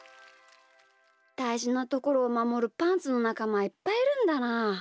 だいじなところをまもるパンツのなかまはいっぱいいるんだな。